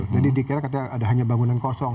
jadi dikira kira ada hanya bangunan kosong